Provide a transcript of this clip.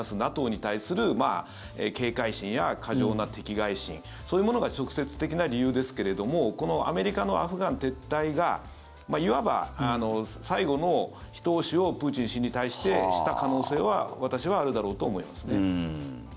ＮＡＴＯに対する警戒心や過剰な敵がい心そういうものが直接的な理由ですけれどもこのアメリカのアフガン撤退がいわば最後のひと押しをプーチン氏に対してした可能性は私はあるだろうと思いますね。